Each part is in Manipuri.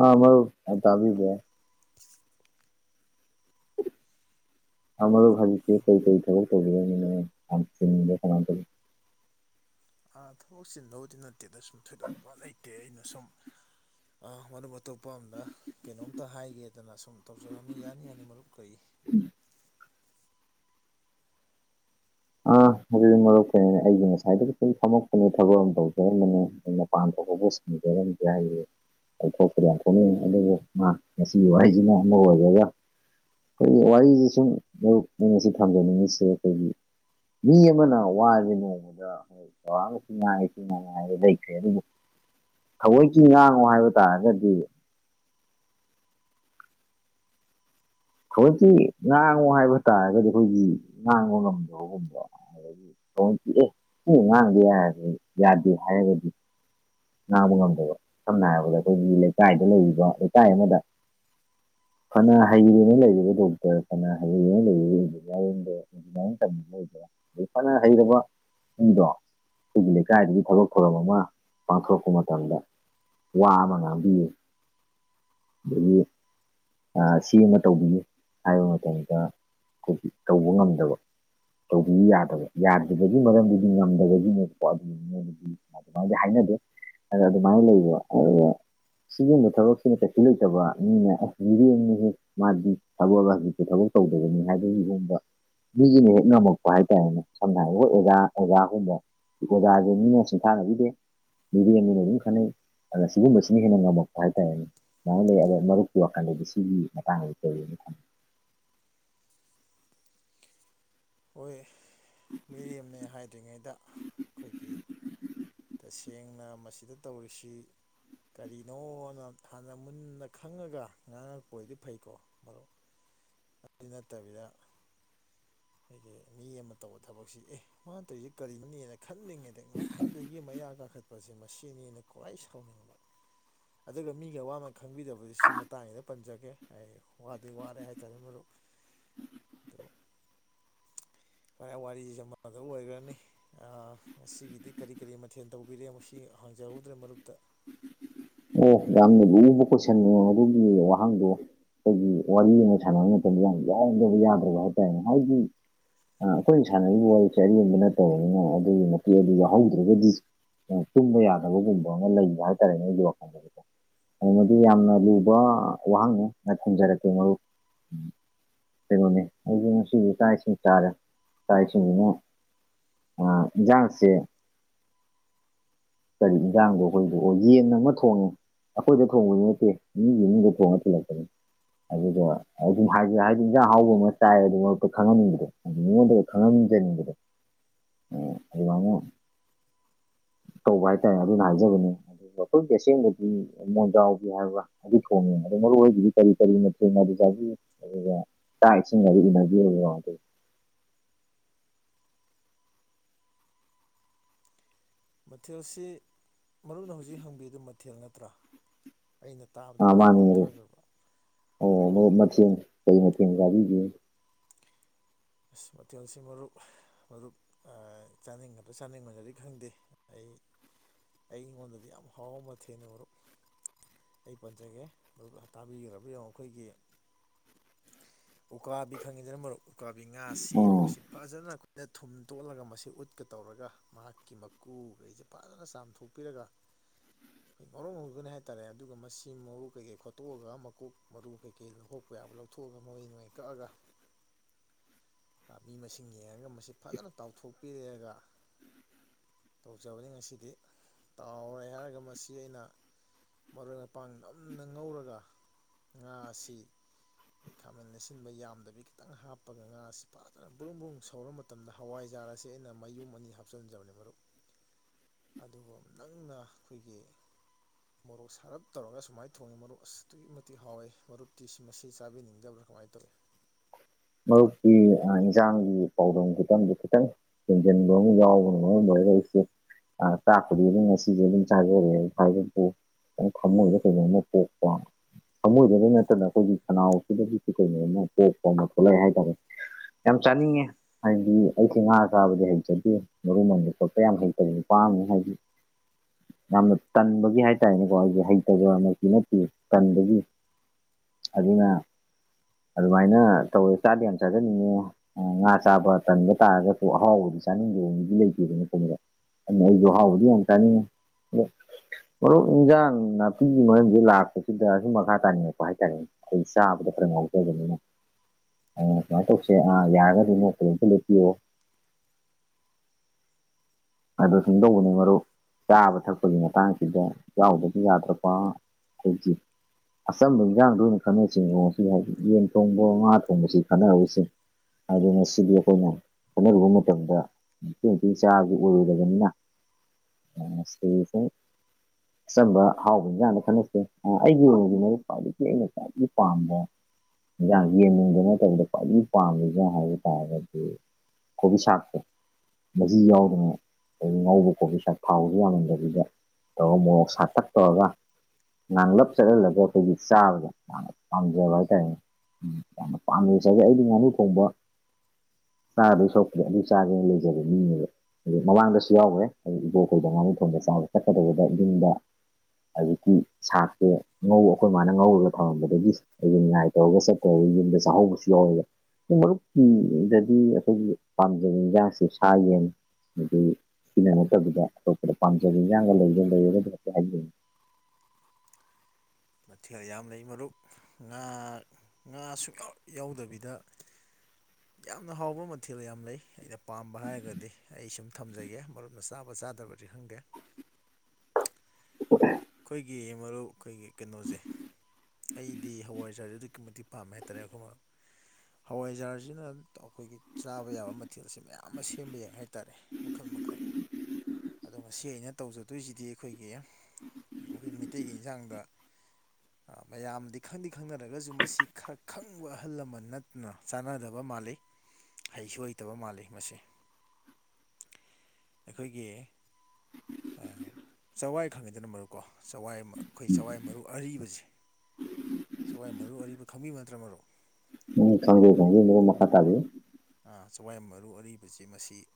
ꯑꯥ ꯃꯔꯨꯞ ꯍꯜꯂꯣ ꯇꯥꯕꯤꯕꯔꯣ ꯑ ꯃꯔꯨꯞ ꯍꯧꯖꯤꯛꯁꯤ ꯀꯩ ꯀꯩ ꯊꯕꯛ ꯇꯧꯕꯤꯔꯝꯔꯝꯃꯤꯅꯣ ꯌ ꯥꯝ ꯆꯤꯟꯕꯔꯣ ꯀꯃꯥꯏ ꯇꯧꯒꯦ ꯑ ꯊꯣꯏꯗꯣꯛ ꯆꯤꯟꯗꯧꯗꯤ ꯅꯠꯇꯦꯗ ꯁꯨꯝ ꯊꯣꯏꯗꯣꯛꯄ ꯂꯩꯇꯦ ꯑꯩꯅ ꯁꯨꯝ ꯑ ꯑꯇꯣꯞꯄ ꯑꯝꯗ ꯀꯩꯅꯣꯝꯇ ꯍꯥꯏꯒꯦꯗꯅ ꯁꯨꯝ ꯇꯧꯖꯔꯝꯃꯤ ꯌꯥꯅꯤ ꯌꯥꯅꯤ ꯃꯔꯨꯞ ꯀꯔꯤ [unintelligible] ꯑ ꯑꯗꯨꯗꯤ ꯃꯔꯨꯞ ꯀꯩꯅꯣꯅꯤ ꯑꯩꯖꯤ ꯉꯁꯥꯏꯗꯒꯤ ꯁꯨꯝ ꯐꯝꯃꯛꯄꯅꯦ ꯊꯕꯛ ꯑꯃ ꯇꯧꯖꯔꯝꯕꯅꯦ ꯃꯄꯥꯟ ꯊꯣꯛꯄꯁꯤꯡ ꯃꯔꯝ [unintelligible] ꯄꯊꯣꯛ ꯀꯗꯤ ꯊꯣꯛꯅꯤꯡ ꯑꯗꯨꯕꯨ ꯃꯥ ꯉꯁꯤꯒꯤ ꯋꯥꯍꯩꯁꯤꯅ ꯑꯃ ꯑꯣꯏꯔꯒ ꯑꯩꯈꯣꯏꯒꯤ ꯋꯥꯔꯤꯁ ꯁꯨꯝ ꯑꯌꯁꯤ ꯊꯝꯖꯅꯤꯡꯉꯤꯁꯦ ꯑꯩꯈꯣꯏꯒꯤ ꯃꯤ ꯑꯃꯅ ꯋꯥꯔꯤꯕ ꯅꯣꯡꯃꯗ ꯍꯣꯏ ꯆꯥꯎꯔꯥꯛꯅꯁꯨ ꯉꯥꯏ ꯁꯤ ꯉꯥꯏꯔ ꯂꯩꯈ꯭ꯔꯦ ꯑꯗꯨꯕꯨ ꯊꯑꯣꯏꯒꯤ ꯉꯥꯡꯉꯨ ꯍꯥꯏꯕ ꯇꯥꯔꯒꯗꯤ ꯊꯋꯣꯏꯀꯤ ꯉꯥꯡꯉꯨ ꯍꯥꯏꯕ ꯇꯥꯔꯒꯗꯤ ꯑꯩꯈꯣꯏꯒꯤ ꯉꯥꯡꯕ ꯉꯝꯗꯕꯒꯨꯝꯕ ꯊꯋꯣꯏꯀꯤ ꯑꯦꯏ ꯉꯥꯡꯗꯦ ꯌꯥꯔꯦ ꯌꯥꯗꯦ ꯍꯥꯏꯔꯒꯗꯤ ꯉꯥꯡꯕ ꯉꯝꯗꯕ ꯁꯝꯅ ꯍꯥꯏꯔꯕꯗ ꯑꯩꯈꯣꯏꯒꯤ ꯂꯩꯀꯥꯏꯗ ꯂꯩꯔꯤꯕ ꯂꯩꯀꯥꯏ ꯑꯃꯗ ꯐꯅꯥ ꯍꯩ ꯂꯩꯔꯤꯕ ꯗꯣꯛꯇꯔ ꯐꯅꯥ ꯍꯥꯏ ꯂꯩꯔꯤꯕ ꯏꯟꯖꯤꯟꯅꯌꯔ ꯁꯤꯡꯖ [unintelligible] ꯍꯩꯔꯕ ꯁꯝꯡꯗꯣ ꯑꯩꯒꯤ ꯂꯩꯀꯥꯏꯗꯨꯒꯤ ꯊꯕꯛ ꯊꯧꯔꯝ ꯑꯃ ꯄꯥꯡꯊꯣꯔꯛꯄ ꯃꯇꯝꯗ ꯋꯥ ꯑꯃ ꯉꯥꯡꯕꯤꯌꯨ ꯑꯗꯥꯒꯤ ꯁꯤ ꯑꯃ ꯇꯧꯕꯤꯌꯨ ꯍꯥꯏꯕ ꯃꯇꯝꯗ ꯑꯩꯈꯣꯏꯒꯤ ꯇꯧꯕ ꯉꯝꯗꯕ ꯇꯧꯕꯤ ꯌꯥꯗꯕ ꯌꯥꯗ꯭ꯔꯤꯕꯒꯤ ꯃꯔꯝꯗꯨꯗꯤ ꯉꯝꯗꯕꯒꯤꯅꯦꯕꯀꯣ ꯑꯗꯨꯒꯤꯗꯤ ꯑꯗꯨꯃꯥꯏ ꯍꯥꯏꯅꯕ ꯑꯗꯨ ꯃꯥꯏ ꯂꯩꯕ ꯑꯗꯨꯒ ꯁꯤꯒꯨꯝꯕ ꯊꯕꯛꯁꯤꯅ ꯀꯩꯁꯨ ꯂꯩꯇꯕ ꯃꯤꯅꯦ ꯑꯁ ꯃꯤꯔꯦꯝꯅꯤꯍꯦ ꯃꯥꯗꯤ ꯊꯕꯛꯑ ꯍꯧꯖꯤꯛꯇ ꯊꯕꯛ ꯇꯧꯗꯕꯅꯤ ꯍꯥꯏꯕꯒꯤꯒꯨꯝꯕ ꯃꯤꯁꯤꯅ ꯍꯦꯛ ꯉꯝꯃꯛꯄ ꯍꯥꯏꯇꯥꯔꯦꯅꯦ ꯁꯝꯅ ꯍꯥꯏꯔꯕ ꯍꯣꯅ ꯑꯣꯖꯥ ꯑꯣꯖꯥ ꯒꯨꯝꯕ ꯑꯣꯖꯥꯁꯦ ꯃꯤꯅ ꯁꯤꯟꯇꯥꯅꯕꯤꯗꯦ ꯃꯤꯗꯤ ꯃꯤꯅ ꯑꯗꯨꯝ ꯈꯟꯅꯩ ꯑꯗ ꯁꯤꯒꯨꯝꯕꯁꯤꯅ ꯍꯦꯟꯅ ꯉꯝꯃꯛꯄ ꯍꯥꯏꯇꯥꯔꯦꯅꯦ ꯑꯗꯨꯃꯥꯏꯅ ꯂꯩ ꯑꯗ ꯃꯔꯨꯞꯀꯤ ꯋꯥꯈꯜꯗꯗꯤ ꯁꯤꯒꯤ ꯃꯇꯥꯡ ꯀꯩ ꯍꯥꯏꯅꯤꯡ ꯍꯣꯏ ꯃꯤꯔꯦꯝꯅꯦ ꯍꯥꯏꯗ꯭ꯔꯤꯉꯩꯗ ꯑꯩꯈꯣꯏꯒꯤ ꯇꯁꯦꯡꯅ ꯃꯁꯤꯗ ꯇꯧꯔꯤꯁꯤ ꯀꯔꯤꯅꯣꯅ ꯍꯥꯟꯅ ꯃꯨꯟꯅ ꯈꯪꯉꯒ ꯉꯥꯡꯉꯛꯄ ꯑꯣꯏꯗꯤ ꯐꯩꯀꯣ ꯃꯔꯨꯞ ꯑꯗꯨ ꯅꯠꯇꯕꯤꯗ ꯑꯩꯈꯣꯏꯒꯤ ꯃꯤ ꯑꯃꯅ ꯇꯧꯕ ꯊꯕꯛꯁꯤ ꯑꯦ ꯃꯥꯅ ꯇꯧꯔꯤꯁꯤ ꯀꯥꯔꯤꯅꯦ ꯈꯜ ꯈꯜꯂꯤꯉꯩꯗ ꯉꯔꯥꯡꯗꯨꯗꯒꯤ ꯃꯌꯥ ꯀꯥꯈꯠ ꯀꯈꯠꯄꯁꯦ ꯃꯁꯤꯅꯤꯅ ꯈ꯭ꯋꯥꯏ ꯁꯥꯎꯅꯤꯡꯕ ꯑꯗꯨꯒ ꯃꯤꯒꯤ ꯑꯋꯥ ꯃꯥꯟ ꯈꯪꯕꯤꯗꯕꯁꯤꯁꯨ ꯃꯇꯥꯡ ꯑꯁꯤꯗꯩꯅ ꯄꯟꯖꯒꯦ ꯑꯩ ꯋꯥꯗꯤ ꯋꯥꯔꯦ ꯍꯥꯏꯇꯥꯔꯦ ꯃꯔꯨꯞ ꯑꯗꯨ ꯋꯥꯔꯤꯁꯤꯁꯨꯦ ꯑꯃ ꯈꯣꯝꯗ ꯑꯣꯏꯈ꯭ꯔꯅꯤ ꯉꯁꯤꯒꯤꯗꯤ ꯀꯔꯤ ꯀꯔꯤ ꯃꯊꯦꯜ ꯇꯧꯕꯤꯔꯦ ꯃꯁꯤ ꯍꯪꯖꯍꯧꯗ꯭ꯔꯦ ꯃꯔꯨꯞꯛꯇ [unintelligible] ꯌꯥꯝꯅ ꯂꯨꯕ ꯀꯣꯏꯁꯟ ꯑꯗꯨꯒꯤ ꯋꯥꯍꯥꯡꯗꯣ ꯑꯩꯈꯣꯏꯒꯤ ꯋꯥꯔꯤ ꯑꯃ ꯁꯥꯟꯅꯕ ꯃꯇꯝꯗ ꯌꯥꯝ ꯌꯥꯎꯗ꯭ꯔꯕ ꯌꯥꯗ꯭ꯔꯕ ꯍꯥꯏꯇꯥꯔꯦꯅꯦ ꯍꯥꯏꯒꯤ ꯑ ꯑꯩꯈꯣꯏꯅ ꯁꯥꯟꯅꯔꯤꯕ ꯋꯥꯔꯤꯁꯦ ꯑꯔꯦꯝꯕ ꯅꯠꯇꯕꯅꯤꯅ ꯑꯗꯨꯒꯤ ꯃꯇꯦꯛ ꯑꯗꯨ ꯌꯥꯎꯍꯧꯗ꯭ꯔꯒꯗꯤ ꯇꯨꯝꯕ ꯌꯥꯗꯕꯒꯨꯝꯕ ꯑꯃ ꯂꯩꯕ ꯍꯥꯏꯇꯥꯔꯦ ꯅꯣꯏ ꯑꯩꯒꯤ ꯋꯥꯈꯜꯗꯗꯤꯀꯣ ꯑꯗꯨ ꯃꯗꯤ ꯌꯥꯝꯅ ꯂꯨꯕ ꯋꯥꯍꯪꯅꯤ ꯑꯩ ꯈꯨꯝꯖꯔꯛꯀꯦ ꯃꯔꯨ ꯞ ꯀꯩꯅꯣꯅꯦ ꯑꯩꯁ ꯉꯁꯤꯁꯦ ꯆꯥꯛ ꯏꯁꯤꯡ ꯆꯥꯔꯦ ꯆꯥꯛ ꯏꯁꯤꯡꯁꯤ ꯑꯃ ꯑꯥ ꯏꯜꯖꯥꯡꯁꯦ ꯀꯔꯤ ꯏꯟꯖꯥꯡꯗꯣꯈꯣꯏꯗꯣ ꯌꯦꯟ ꯑꯃ ꯊꯣꯡꯉꯦ ꯑꯩꯈꯣꯏꯗ ꯊꯣꯡꯕꯗꯤ ꯅꯠꯇꯦ ꯃꯤꯒꯤ ꯃꯅꯨꯡꯗꯗ ꯊꯣꯡꯉ ꯊꯤꯜꯂꯛꯄꯅꯤ ꯑꯗꯨꯒ ꯍꯥꯏꯗꯤ ꯍꯥꯏꯗꯤ ꯌꯦꯟꯖꯥꯡ ꯑꯍꯥꯎꯕ ꯑꯃ ꯆꯥꯏ ꯑꯗꯨ ꯃꯔꯛꯇ ꯈꯪꯍꯟꯅꯤꯡꯕꯗꯣ ꯑꯗꯨ ꯃꯤꯉꯣꯟꯗ ꯈꯪꯍꯟꯅꯤꯡ ꯎ ꯑꯗꯨꯗꯤ ꯋꯥꯉꯣ ꯇꯧꯕ ꯍꯥꯏꯇꯥꯔꯦ ꯑꯗꯨꯅ ꯍꯥꯏꯖꯕꯅꯦ ꯑꯗꯨ ꯑꯩꯈꯣꯏ ꯇꯁꯦꯡꯗꯗꯤ ꯃꯣꯏꯗꯥꯎꯕꯤ ꯍꯥꯏꯕ ꯍꯥꯏꯗꯤ ꯃꯔꯨꯑꯣ ꯑꯣꯏꯗꯤ ꯀꯔꯤ ꯀꯔꯤ ꯃꯇꯦꯡ ꯆꯥꯕꯤ ꯑꯗꯨꯒ ꯇꯥꯏꯁꯔꯤꯅ ꯃꯊꯦꯜꯁꯤ ꯃꯔꯨꯞꯅ ꯍꯧꯖꯤꯛ ꯍꯪꯕꯤꯗꯨ ꯃꯊꯦꯜ ꯅꯠꯇ꯭ꯔꯥ ꯑꯩꯅ ꯇꯥꯕꯗ ꯑ ꯈꯤꯇꯪ ꯃꯥꯅꯤ ꯃꯔꯨꯞ ꯇꯞꯊꯈ꯭ꯔꯕ ꯑꯣ ꯃꯊꯦꯜ ꯀ [unintelligible] ꯑꯁ ꯃꯊꯦꯜꯁꯤ ꯃꯔꯨꯞ ꯃꯔꯨꯞ ꯆꯥꯅꯤꯡꯕꯗ ꯆꯥꯅꯤꯡꯕꯅꯗꯤ ꯈꯪꯗꯦ ꯑꯩ [inaudible] ꯑꯩ ꯑꯩꯉꯣꯟꯗꯗꯤ ꯌꯥꯝ ꯍꯥꯎꯕ ꯃꯊꯦꯅꯦ ꯃꯔꯨꯄ ꯑꯩ ꯄꯟꯖꯒꯦ ꯇꯥꯕꯤꯈ꯭ꯔꯕ ꯌꯦꯡꯉꯣ ꯑꯩꯈꯣꯏꯒꯤ ꯎꯀꯥꯕꯤ ꯈꯪꯉꯤꯗꯅ ꯃꯔ ꯎꯀꯥꯕꯤ ꯉꯥꯁꯤ ꯑꯥ ꯃꯁꯤ ꯐꯖꯅ ꯗ ꯊꯨꯝ ꯇꯣꯠꯂꯒ ꯃꯁꯤ ꯎꯠꯀ ꯇꯧꯔꯒ ꯃꯍꯥꯛꯀꯤ ꯃꯀꯨꯈꯩꯁꯦ ꯐꯖꯅ ꯆꯥꯝꯊꯣꯛꯄꯤꯔꯒ ꯑꯩꯈꯣꯏ ꯉꯔꯣꯡ ꯉꯧꯔꯨꯒꯅꯤ ꯍꯥꯏ ꯇꯔꯦ ꯑꯗꯨꯒ ꯃꯁꯤ ꯃꯔꯨ ꯀꯩꯀꯩ ꯈꯣꯠꯇꯣꯛꯑꯒ ꯃꯀꯣꯛ ꯃꯔꯨ ꯀꯩꯀꯩ ꯂꯧꯍꯣꯛꯄ ꯌꯥꯕ ꯂꯧꯊꯣꯛꯦ ꯊꯣꯛꯑꯒ ꯃꯣꯏ ꯅꯣꯏ ꯀꯛꯑꯒ ꯃꯤ ꯃꯁꯤꯡ ꯌꯦꯡꯉꯒ ꯃꯁꯤ ꯐꯖꯅ ꯇꯥꯎꯊꯣꯛꯄꯤꯔꯛꯑꯒ ꯇꯧꯖꯕꯅꯤ ꯉꯁꯤꯗꯤ ꯇꯥꯎꯔꯦ ꯍꯥꯏꯔꯒ ꯃꯁꯤ ꯑꯩꯅ ꯃꯔꯣꯏ ꯃꯄꯥꯡ ꯅꯝꯅ ꯉꯧꯔꯒ ꯉꯥ ꯑꯁꯤ ꯑꯩꯣꯏ ꯈꯥꯃꯦꯟ ꯑꯁꯤꯟꯕ ꯌꯥꯝꯗꯕꯤ ꯈꯤꯇꯪ ꯍꯥꯞꯄꯒ ꯉꯥꯁꯤ ꯐꯖꯅ ꯕ꯭ꯔꯨꯝ ꯕ꯭ꯔꯨꯝ ꯁꯧꯔ ꯃꯇꯝꯗ ꯍꯋꯥꯏꯖꯥꯔꯁꯤ ꯑꯁꯤ ꯑꯩꯅ ꯃꯌꯨꯝ ꯑꯅꯤ ꯍꯥꯞꯆꯤꯟꯖꯕꯅꯦ ꯃꯔꯨꯞ [unintelligible] ꯑꯗꯨꯒ ꯅꯪꯅ ꯑꯩꯈꯣꯏꯒꯤ ꯃꯣꯔꯣꯛ ꯁꯥꯔꯞ ꯇꯧꯔꯒ ꯁꯨꯃꯥꯏꯅ ꯊꯣꯡꯉꯤ ꯃꯔꯣꯛ ꯑꯁꯨꯛꯀꯤ ꯃꯇꯤꯛ ꯍꯥꯎꯋꯦ ꯃꯔꯨꯞꯤ ꯁꯤ ꯃꯁꯤ ꯆꯥꯕꯤꯅꯤꯡꯗꯕ꯭ꯔꯥ ꯀꯃꯥꯏꯅ ꯇꯧꯏꯤ ꯃꯔꯨꯞꯀꯤ ꯏꯟꯁꯥꯡꯒꯤ ꯄꯥꯎꯗꯝ ꯈꯨꯇꯝꯗꯣ ꯈꯤꯇꯡ ꯍꯦꯟꯁꯤꯟꯕ ꯑꯃ ꯌꯥꯎꯕ [unintelligible] ꯑꯩꯁꯦ ꯇꯥꯛꯄꯗꯤ ꯑꯗꯨꯝ ꯉꯁꯤꯁꯦ ꯑꯗꯨꯝ ꯆꯥꯖꯔꯦ ꯊꯃꯣꯏꯗ ꯀꯩꯅꯣꯝꯃ ꯄꯣꯛꯄ ꯊꯃꯣꯏꯕꯗꯒꯤꯩ ꯅꯠꯇꯅ ꯑꯩꯈꯣꯏꯒꯤ ꯈꯅꯥꯎꯁꯤꯗꯒꯤꯁꯨ ꯀꯩꯅꯣ ꯑꯃ ꯄꯣꯛꯄꯅ ꯊꯣꯛꯣꯠꯂꯛꯦ ꯍꯥꯏꯇꯥꯔꯦ ꯌꯥꯝ ꯆꯥꯅꯤꯡꯉꯦ ꯍꯥꯏꯗꯤ ꯑꯩꯁ ꯉꯥ ꯆꯥꯕꯗꯤ ꯍꯩꯖꯗꯦ ꯃꯔꯨ ꯑꯣꯏꯅꯕ ꯈꯣꯠꯄ ꯌꯥꯝ ꯍꯩꯇꯕꯅꯤ ꯃꯥ ꯍꯥꯏꯕꯤ ꯌꯥꯝꯅ ꯇꯟꯕꯒꯤ ꯍꯥꯏꯇꯥꯔꯦꯅꯦꯀꯣ ꯑꯩꯁꯦ ꯍꯩꯇꯕꯅꯛꯇ ꯅꯠꯇꯦ ꯇꯟꯕꯒꯤ ꯑꯗꯨꯅ ꯑꯗꯨꯃꯥꯏꯅ ꯇꯧꯋꯦ ꯆꯥꯗ ꯌꯥꯝ ꯆꯥꯖꯟꯅꯤꯡꯉꯦ ꯉꯥ ꯆꯥꯕ ꯇꯟꯕ ꯇꯥꯔꯒꯁꯨ ꯑꯍꯥꯎꯕꯗꯤ ꯆꯥꯅꯤꯡꯗꯕ ꯃꯤꯗꯤ ꯂꯩꯇꯦꯕ ꯨꯍꯥ ꯑꯣꯗꯤ ꯍꯅ ꯀꯅꯤ ꯃꯔꯣꯛ ꯏꯟꯁꯥꯡ ꯅꯥꯄꯤꯒꯤ ꯃꯔꯝꯁꯦ ꯂꯥꯛꯄꯁꯤꯗ ꯑꯨꯝ ꯃꯈꯥ ꯇꯥꯅꯤꯡꯉꯛꯄ ꯍꯥꯏꯇꯥꯔꯦꯅꯦ ꯑꯩ ꯆꯥꯕꯗꯣ ꯉꯅꯤ [unintelligible] ꯑꯗꯨꯅ ꯀꯨꯃꯥꯏꯅ ꯇꯧꯁꯦ ꯑꯥ ꯌꯥꯔꯒꯗꯤꯅꯣ ꯀꯩꯅꯝ ꯄꯨꯗꯣꯛꯄꯤꯌꯣ ꯑꯗꯨ ꯁꯨꯝꯗꯧꯕꯅꯦ ꯃꯔꯨꯞ ꯆꯥꯕ ꯊꯛꯄꯒꯤ ꯃꯇꯥꯡꯁꯤꯗ ꯌꯥꯎꯗꯕ ꯌꯥꯗ꯭ꯔꯕ ꯍꯧꯖꯤꯛ ꯑꯆꯝꯕ ꯏꯟꯖꯥꯡꯗ ꯑꯣꯏꯅ ꯈꯠꯟꯅꯁꯤꯁꯤ ꯍꯥꯏꯗꯤ ꯌꯦꯟ ꯊꯣꯡꯕ ꯉꯥ ꯊꯣꯡꯕꯁꯤ ꯈꯟꯅꯅꯔꯁꯤꯡ ꯑꯗꯨꯅ ꯁꯤꯗꯤ ꯑꯩꯈꯣꯏꯅ ꯈꯅꯔꯨꯕ ꯃꯇꯝꯗ ꯇꯣꯏ ꯇꯣꯏꯅ ꯆꯕ ꯑꯣꯏꯔꯣꯏꯗꯕꯅꯤꯅ ꯑꯆꯝꯕ ꯍꯥꯎꯕꯅꯤ ꯀꯥꯟꯅ ꯈꯟꯅꯁꯦ ꯑꯩꯒꯤ ꯑꯣꯏꯁꯤꯅ ꯈ꯭ꯋꯥꯏꯗꯒꯤ ꯑꯩꯅ ꯈ꯭ꯋꯥꯏꯗꯒꯤ ꯄꯥꯝꯕ ꯍꯟꯖꯥꯡ ꯌꯦꯡꯅꯤꯡꯗꯅ ꯇꯧꯕꯗ ꯈ꯭ꯋꯥꯏꯗꯒꯤ ꯄꯥꯝꯃꯤꯒ ꯍꯥꯏꯕ ꯇꯥꯔꯒꯗꯤ ꯀꯣꯕꯤ ꯁꯥꯥꯛꯁꯦ ꯃꯁꯤ ꯌꯥꯎꯗ꯭ꯔꯤꯉ ꯑ ꯉꯧꯕ ꯀꯣꯄꯤ ꯁ ꯊꯥꯎꯁ ꯌꯥꯝꯃꯟꯗꯕꯤꯗ ꯇꯧꯔꯒ ꯃꯣꯔꯣꯛ ꯁꯥ ꯊꯛ ꯇꯧꯔꯒ ꯅꯥꯟ ꯂꯁ ꯂꯒꯤ ꯆꯖ ꯇꯥꯏ ꯎꯝ ꯌꯥꯝꯅ ꯄꯥꯝꯅꯁꯥꯏꯒꯦ ꯑꯩꯗꯤ ꯉꯥꯅꯨ ꯊꯣꯡꯕ ꯆꯥꯗ ꯁꯣꯛꯇꯦ ꯑꯗꯨ ꯆꯥꯒꯦꯅ ꯂꯩꯖꯒꯦ ꯃꯤꯅꯦꯕ ꯑ ꯃꯃꯥꯡꯗꯁꯨ ꯌꯥꯎꯔꯦ ꯍꯥꯏꯗꯤ ꯏꯕꯣꯈꯜꯗ ꯉꯥꯃꯤ ꯊꯣꯡꯗ ꯆꯥꯎꯕ ꯆꯠꯀꯗꯕꯗ ꯌꯨꯝꯗ ꯍꯧꯖꯤꯀꯤ ꯁꯥꯛꯁꯦ ꯉꯧ ꯑꯩꯈꯣꯏ ꯃꯥꯅ ꯉꯧꯔꯒ ꯊꯝꯂꯝꯝꯕꯗꯒꯤ ꯑꯩ ꯉꯏ ꯇꯧꯔꯒ ꯆꯠꯀ ꯌꯨꯝꯗ ꯆꯥꯛꯍꯧꯕꯁꯨ ꯌꯥꯎꯋꯦꯕ ꯄꯨꯡ ꯃꯔꯨꯞꯀꯤꯗꯗꯤ ꯑꯩꯈꯣꯏꯒꯤ ꯄꯥꯝꯖꯕ ꯌꯦꯟꯖꯥꯡꯁꯦ ꯁꯥ ꯌꯦꯟ ꯑꯗꯒꯤ ꯁꯤꯅ ꯅꯠꯇꯧꯕꯗ ꯑꯇꯣꯞꯄꯗ ꯄꯪꯖꯕ ꯏꯥꯡꯒ ꯂꯩꯒ ꯂꯩ ꯍꯥꯏ [unintelligible] ꯃꯊꯦꯜ ꯌꯥꯝ ꯂꯩ ꯃꯔꯨꯞ ꯉꯥ ꯉꯥ ꯁ ꯌꯥꯎꯗꯕꯤꯗ ꯌꯥꯝꯅ ꯍꯥꯎꯕ ꯃꯊꯦꯜ ꯌꯥꯝ ꯂꯩ ꯑꯩꯅ ꯄꯥꯝꯕ ꯍꯥꯏꯔꯒꯗꯤ ꯑꯩ ꯁꯨꯝ ꯊꯝꯖꯒꯦ ꯃꯔꯨꯞꯅ ꯆꯥꯕ ꯆꯥꯗ꯭ꯔꯕꯗꯤ ꯈꯪꯗꯦ [unintelligible] ꯑꯩꯈꯣꯏꯒꯤ ꯃꯔꯨꯞ ꯑꯩꯈꯣꯏꯒꯤ ꯀꯩꯅꯣꯁꯦ ꯑꯩꯗꯤ ꯍꯋꯥꯏꯖꯔꯗꯤꯦ ꯑꯗꯨꯛꯀꯤ ꯃꯇꯤꯛ ꯄꯥꯝꯃꯦ ꯍꯥꯏꯇꯥꯔꯦ ꯑꯩꯈꯣꯏ ꯍꯋꯥꯏꯖꯥꯔꯁꯤꯅ ꯑꯩꯈꯣꯏꯒꯤ ꯆꯥꯕ ꯌꯥꯕ ꯃꯊꯦꯜꯁꯦ ꯃꯌꯥꯝ ꯑꯃ ꯁꯦꯝꯕ ꯌꯥꯏ ꯍꯥꯏꯇꯥꯔꯦꯜ [inaudible] ꯑꯗꯣ ꯉꯁꯤ ꯑꯩꯅ ꯇꯧꯖꯗꯣꯏꯁꯤꯗꯤ ꯑꯩꯈꯣꯏꯒꯤ ꯑꯩꯈꯣꯏ ꯃꯩꯇꯩꯒꯤ ꯏꯟꯁꯥꯡꯗ ꯃꯌꯥꯝꯗꯤ ꯈꯪꯗꯤ ꯈꯪꯅꯔꯒꯁꯨ ꯃꯁꯤ ꯈꯔ ꯈꯪꯕ ꯑꯍꯜ ꯂꯃꯟ ꯅꯠꯇꯅ ꯆꯥꯟꯅꯗꯕ ꯃꯥꯜꯂꯤ ꯍꯩꯁꯨ ꯍꯩꯇꯕ ꯃꯥꯜꯂꯤ ꯃꯁꯤ ꯑꯩꯈꯣꯏꯒꯤ ꯆꯋꯥꯏ ꯈꯪꯉꯤꯗꯅ ꯃꯔꯨꯞ ꯀꯣ ꯆꯋꯥꯏ ꯑꯩꯈꯣꯏ ꯆꯋꯥꯏ ꯃꯔꯨ ꯑꯔꯤꯕꯁꯦ ꯆꯒꯏ ꯃꯔꯨ ꯑꯔꯤꯕ ꯈꯪꯕꯤꯕ ꯅꯠꯇ꯭ꯔ ꯃꯔꯣ ꯎ ꯈꯪꯒꯦ ꯈꯪꯒꯦ ꯃ ꯃꯀꯥ ꯇꯥꯕꯤꯦ ꯆꯋꯥꯏ ꯃꯔꯨ ꯑꯔꯤꯕꯁꯤꯦ ꯃꯁꯤ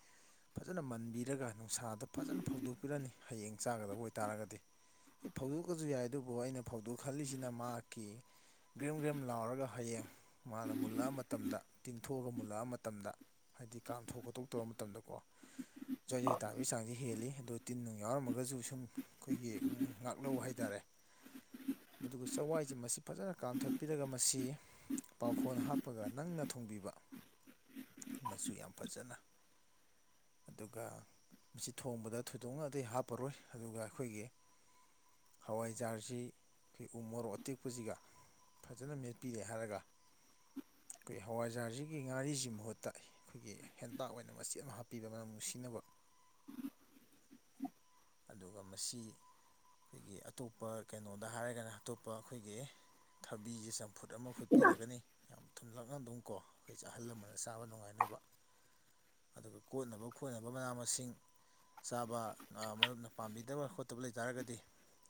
ꯐꯖꯅ ꯃꯟꯕꯤꯔꯒ ꯅꯨꯡꯁꯥꯗ ꯐꯖꯅ ꯐꯧꯗꯣꯛꯄꯤꯔꯅꯤ ꯍꯌꯦꯡ ꯆꯥꯒꯗꯕ ꯑꯣꯏꯇꯥꯔꯒꯗꯤ ꯑꯩ ꯐꯧꯗꯣꯛꯀꯁꯨ ꯌꯥꯏ ꯑꯗꯨꯕꯨ ꯑꯩꯅ ꯐꯧꯗꯣꯛ ꯈꯜꯂꯤꯁꯤꯅ ꯃꯍꯥꯛꯀꯤ ꯒ꯭ꯔꯦꯝ ꯒ꯭ꯔꯦꯝ ꯂꯥꯎꯔꯒ ꯍꯌꯦꯡ ꯃꯥꯅ ꯃꯨꯜꯂꯛꯑ ꯃꯇꯝꯗ ꯇꯤꯡꯊꯣꯛꯑꯒ ꯃꯨꯜꯂꯛꯑ ꯃꯇꯝ ꯃꯇꯝꯗ ꯍꯥꯏꯗꯤ ꯀꯥꯝꯊꯣꯛ ꯈꯣꯇꯣꯛꯇꯕ ꯃꯇꯝꯗꯀꯣ ꯖꯣꯏꯆꯣꯏ ꯇꯥꯕꯒꯤ ꯆꯥꯡꯁꯤ ꯍꯦꯜꯂꯤ ꯑꯗꯣ ꯇꯤꯟ ꯅꯨꯡ ꯌꯥꯎꯔꯝꯃꯒꯁꯨ ꯁꯨꯝ ꯑꯩꯈꯣꯏꯒꯤ ꯉꯥꯛꯂꯧꯕ ꯍꯥꯏꯇꯥꯔꯦ ꯎ ꯃꯗꯨ ꯆꯋꯥꯏꯁꯤ ꯃꯁꯤ ꯐꯖꯅ ꯀꯥꯝꯊꯠꯄꯤꯔꯒ ꯃꯁꯤ ꯄꯥꯎꯈꯣꯟ ꯍꯥꯞꯄꯒ ꯅꯪꯅ ꯊꯣꯡꯕꯤꯕ ꯃꯆꯨ ꯌꯥꯝ ꯐꯖꯅ ꯑꯗꯨꯒ ꯃꯁꯤ ꯊꯣꯡꯕꯗ ꯊꯣꯏꯗꯣꯛꯅꯇꯩ ꯍꯥꯞꯄꯔꯣꯏ ꯑꯗꯨꯒ ꯑꯩꯈꯣꯏꯒꯤ ꯍꯋꯥꯏꯖꯥꯔꯁꯤ ꯑꯩꯈꯣꯏ ꯎ ꯃꯣꯔꯣꯛ ꯑꯇꯦꯛꯄꯁꯤꯒ ꯐꯖꯅ ꯃꯦꯠꯄꯤꯔꯦ ꯍꯥꯏꯔꯒ ꯑꯩꯈꯣꯏ ꯍꯋꯥꯏꯖꯥꯔꯁꯤꯒꯤ ꯉꯥꯔꯤꯁꯤꯃꯨꯛ ꯃꯍꯨꯠꯇ ꯑꯩꯈꯣꯏꯒꯤ ꯍꯦꯟꯇꯥꯛ ꯑꯣꯏꯅ ꯃꯆꯦꯠ ꯑꯃ ꯍꯥꯞꯄꯤꯕ ꯃ ꯅꯨꯡꯁꯤꯅꯕ ꯑꯗꯨꯒ ꯃꯁꯤ ꯑꯩꯈꯣꯏꯒꯤ ꯑꯇꯣꯞꯄ ꯀꯩꯅꯣꯗ ꯍꯥꯏꯔꯒꯅ ꯑꯇꯣꯞꯄ ꯑꯩꯈꯣꯏꯒꯤ ꯊꯕꯤꯁꯦ ꯆꯝꯐꯨꯠ ꯑꯃ ꯐꯨꯠꯄꯤꯔꯒꯅꯤ ꯌꯥꯝ ꯊꯨꯝꯂꯛꯅ ꯑꯗꯨꯝ ꯀꯣ ꯑꯩꯈꯣꯏꯁ ꯑꯍꯜ ꯂꯃꯟꯅ ꯆꯥꯕ ꯅꯨꯡꯉꯥꯏꯅꯕ [inaudible] ꯑꯗꯨꯒ ꯀꯣꯠꯅꯕ ꯈꯣꯠꯅꯕ ꯃꯅꯥ ꯃꯁꯤꯡ ꯆꯥꯕ ꯃꯔꯨꯞꯅ ꯄꯥꯝꯕꯤꯗꯕ ꯈꯣꯠꯇꯕ ꯂꯩ ꯇꯥꯔꯒꯗꯤ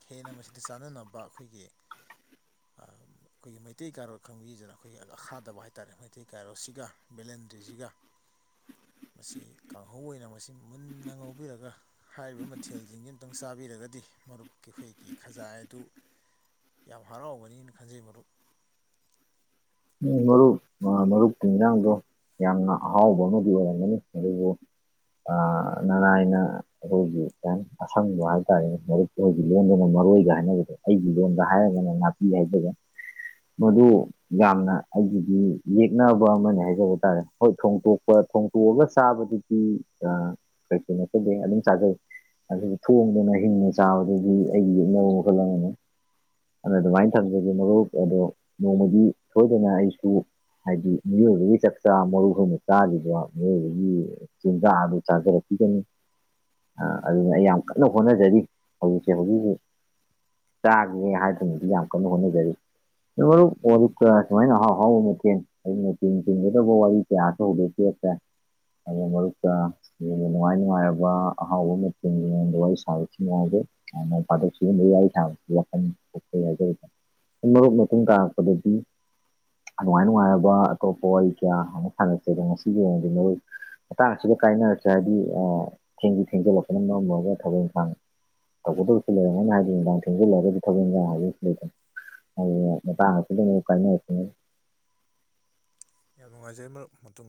ꯍꯦꯟꯅ ꯃꯁꯤꯗ ꯆꯥꯟꯅꯅꯕ ꯑꯩꯈꯣꯏꯒꯤ ꯑꯩꯈꯣꯏꯒꯤ ꯃꯩꯇꯩ ꯀꯥꯔꯣ ꯈꯪꯕꯤꯗꯅ ꯑꯩꯈꯣꯏꯒꯤꯈꯥꯗꯕ ꯍꯥꯏꯇꯥꯥꯔꯦ ꯃꯩꯇꯩ ꯀꯥꯔꯣꯁꯤꯒ ꯕꯦꯂꯦꯛ ꯑꯦꯟꯗ꯭ꯔꯤꯁꯤꯒ [inaudible] ꯃꯁꯤ ꯀꯥꯡꯍꯧ ꯑꯣꯏꯅ ꯃꯁꯤ ꯃꯨꯟꯅ ꯉꯧꯕꯤꯔꯒ ꯍꯥꯏꯔꯤꯕ ꯃꯊꯦꯜꯁꯤꯡꯁꯤ ꯑꯃꯨꯇꯪ ꯆꯥꯕꯤꯔꯒꯗꯤ ꯃꯔꯨꯞꯀꯤ ꯑꯩꯈꯣꯏꯒꯤ ꯈꯖꯥꯏ ꯑꯗꯨ ꯌꯥꯝ ꯍꯔꯥꯎꯕꯅꯤꯅ ꯈꯟꯖꯩ ꯃꯔꯨꯞ ꯎꯝ ꯃꯔꯔꯨꯞ ꯑ ꯃꯔꯨꯞꯇ ꯔꯥꯡꯗꯣ ꯌꯥꯝꯅ ꯍꯥꯎ ꯅꯗꯤ ꯋꯥꯅꯤꯕꯨ ꯅꯅꯥ ꯑꯅ ꯑꯩꯈꯣꯏꯒꯤ ꯑꯁꯪꯕ ꯍꯥꯏꯇꯥꯔꯦꯅꯦ ꯃꯔꯛꯇ ꯍꯧꯖꯤ ꯂꯗꯅ ꯃꯔꯣꯏꯒ ꯍꯥꯏꯅꯕꯗꯣ ꯑꯩꯒꯤ ꯂꯣꯟꯗ ꯍꯥꯏꯔꯒꯅ ꯅꯥꯄꯤ ꯍꯥꯏꯗꯕ ꯃꯗꯨ ꯌꯥꯝꯅ ꯑꯩꯒꯤꯗꯤ ꯌꯦꯛꯅꯕ ꯑꯃꯅꯦ ꯍꯥꯏꯖꯕ ꯇꯥꯔꯦ ꯍꯣꯏ ꯊꯣꯡꯇꯣꯛꯄ ꯊꯣꯡꯇꯣꯛꯑꯒ ꯆꯥꯕꯗ ꯑꯗꯨꯗꯤ ꯀꯩꯁꯨ ꯅꯠꯇꯗꯦ ꯑꯗꯨꯝ ꯆꯥꯖꯩ ꯑꯗꯨ ꯊꯣꯡꯗꯅ ꯍꯤꯡꯅ ꯆꯥꯕꯗꯨꯗꯤ ꯑꯩꯒꯤ ꯌꯦꯛꯅꯕ ꯋꯥꯜ ꯑꯃꯅꯤꯅꯤ ꯑꯗꯨꯅ ꯑꯗꯨꯃꯥꯏꯅ ꯊꯝꯖꯒꯦ ꯃꯔꯨꯞ ꯑꯗꯣ ꯅꯣꯡꯃꯒꯤ ꯁꯣꯏꯗꯅ ꯑꯩꯁꯨ ꯍꯥꯏꯗꯤ ꯃꯤꯑꯣꯏꯕꯒꯤ ꯆꯥꯛꯆꯥ ꯃꯔꯨꯈꯨꯝꯅ ꯆꯥꯗꯣ ꯃꯤꯑꯣꯏꯕꯒꯤ ꯆꯤꯟꯖꯥꯛ ꯑꯗꯨ ꯆꯥꯖꯔꯛꯄ ꯑꯗꯨꯅ ꯑꯩ ꯌꯥꯝ ꯀꯟꯅ ꯍꯣꯠꯅꯖꯔꯤ ꯍꯧꯖꯤꯛꯁꯦ ꯍꯧꯖꯤꯛꯁꯨ ꯆꯥꯒꯦ ꯍꯥꯏꯗꯅꯗꯤ ꯌꯥꯝ ꯀꯟꯅ ꯍꯣꯠꯅꯖꯔꯤ ꯃꯔ ꯁꯨꯃꯥꯏꯅ ꯑꯍꯥꯎ ꯍꯥꯎꯕ ꯃꯊꯦꯟ ꯑꯩꯅ ꯆꯦꯡ ꯆꯦꯟꯒꯗꯕ ꯋꯥꯔꯤ ꯀꯌꯥꯁꯨ ꯍꯧꯗꯣꯛꯀꯦꯁꯦ ꯑꯗꯨ ꯃꯔꯛꯇ ꯍꯟꯅ ꯅꯨꯡꯉꯥꯏ ꯅꯨꯡꯉꯥꯏꯔꯕ ꯑꯍꯥꯎꯕ ꯃꯦꯡꯒꯤ ꯃꯗ ꯋꯥꯔꯤ ꯁꯥꯕꯁꯨ ꯉꯥꯎꯗ꯭ꯔꯦ ꯐꯊꯣꯛꯁꯤ ꯌꯥ ꯃꯔꯨꯞ ꯃꯇꯨꯡ ꯇꯥꯔꯛꯄꯗꯗꯤ ꯑꯗꯨꯃꯥꯏ ꯅꯨꯡꯉꯥꯏꯔꯕ ꯑꯇꯣꯞꯄ ꯋꯥꯔꯤ ꯀꯌꯥ ꯑꯃ ꯁꯥꯟꯅꯁꯩ ꯑꯗꯣ ꯉꯁꯤꯒꯤ ꯑꯣꯏꯅꯗꯤ ꯅꯣꯏ ꯃꯇꯥꯡ ꯑꯁꯤꯗ ꯀꯥꯏꯅꯔꯁꯦ ꯍꯥꯏꯔꯗꯤ ꯑ ꯊꯦꯡꯖꯤ ꯊꯦꯡꯖꯤꯜꯂꯛꯄꯅ ꯃꯔꯝ ꯑꯣꯏꯔꯒ ꯊꯕꯛ ꯏꯪꯈꯥꯡ ꯇꯧꯒꯗꯕꯁꯨ ꯂꯩꯔꯝꯅꯤꯅ ꯍꯥꯏꯗꯤ ꯅꯨꯡꯗꯥꯡ ꯊꯦꯡꯖꯤꯜꯂꯒꯗꯤ ꯊꯧꯤ ꯍꯥꯏ ꯂꯩ ꯑ ꯀ ꯎ ꯀ ꯑꯣꯏ ꯌꯥꯝ ꯅꯨꯡꯉꯥꯏꯖꯩ ꯃꯇꯨꯡ